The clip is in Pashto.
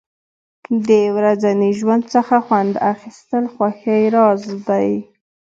د ورځني ژوند څخه خوند اخیستل د خوښۍ راز دی.